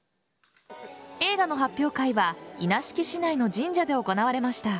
映画の発表会は稲敷市内の神社で行われました。